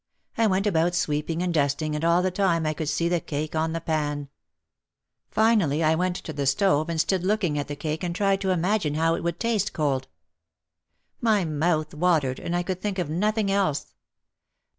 I went about sweeping and dusting and all the time I could see the cake on the pan. Finally I went to the 178 OUT OF THE SHADOW stove and stood looking at the cake and tried to imagine how it would taste cold. My mouth watered and I could think of nothing else.